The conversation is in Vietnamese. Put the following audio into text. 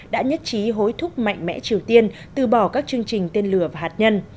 đã hối thúc mạnh mẽ triều tiên từ bỏ các chương trình tên lửa và hạt nhân